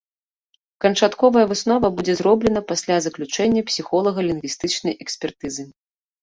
Канчатковая выснова будзе зроблена пасля заключэння псіхолага-лінгвістычнай экспертызы.